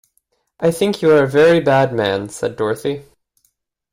"I think you are a very bad man," said Dorothy.